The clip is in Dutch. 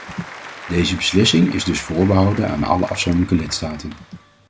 Deze beslissing is dus voorbehouden aan alle afzonderlijke lidstaten.